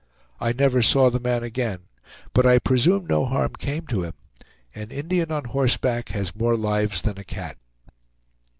I never saw the man again, but I presume no harm came to him. An Indian on horseback has more lives than a cat.